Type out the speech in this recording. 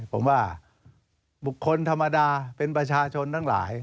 ผมว่าบุคคลธรรมดาเป็นประชาชนทั้งหลาย